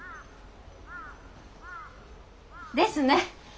ですね。